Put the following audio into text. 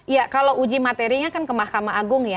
ya kalau uji materinya kan ke mahkamah agung ya